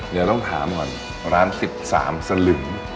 อย่าต้องถามก่อนร้าน๑๓สลึ่ง